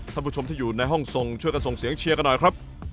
ท่านผู้ชมที่อยู่ในห้องทรงช่วยกันส่งเสียงเชียร์กันหน่อยครับ